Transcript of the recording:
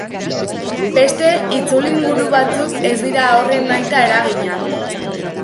Beste itzulinguru batzuk ez dira horren nahita eginak.